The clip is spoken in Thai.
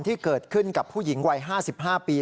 ที่เกิดขึ้นกับผู้หญิงวัย๕๕ปี